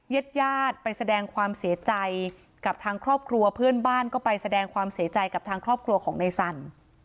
ญาติญาติไปแสดงความเสียใจกับทางครอบครัวเพื่อนบ้านก็ไปแสดงความเสียใจกับทางครอบครัวของในสัน